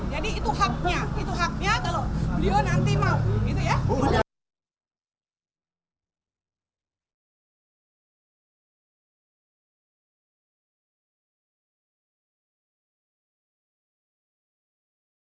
jadi itu haknya itu haknya kalau beliau nanti mau